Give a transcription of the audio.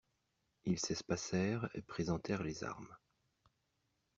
Ils s'espacèrent et présentèrent les armes.